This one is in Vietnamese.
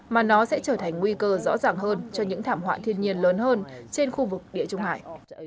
mà nó sẽ trở thành nguy cơ rõ ràng hơn cho những thảm họa thiên nhiên lớn hơn trên khu vực địa trung hải